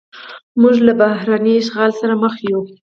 موږ له بهرني اشغال سره مخ یو.